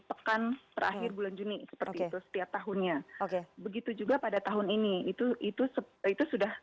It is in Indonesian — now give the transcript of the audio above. pekan terakhir bulan juni seperti itu setiap tahunnya begitu juga pada tahun ini itu itu sudah